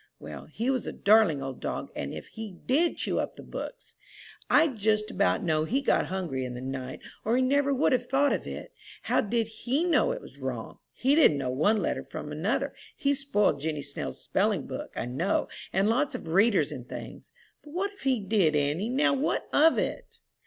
"Well, he was a darling old dog, if he did chew up the books! I just about know he got hungry in the night, or he never would have thought of it. How did he know it was wrong? he didn't know one letter from another. He spoiled Jenny Snell's spelling book, I know, and lots of readers and things; but what if he did, auntie, now what of it?"